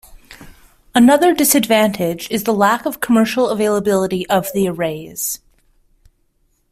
Another disadvantage is the lack of commercial availability of the arrays.